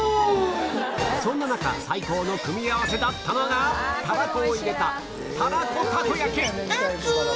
そんな中最高の組み合わせだったのがたらこを入れたたらこたこ焼き！